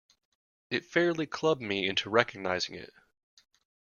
It fairly clubbed me into recognizing it.